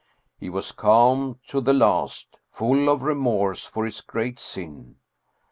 He was calm to the last, full of remorse for his great sin.